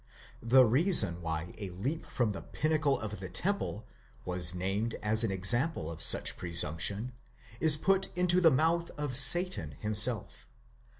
The reason why a leap from the pinnacle of the temple was named as an example of such presump tion, is put into the mouth of Satan himself.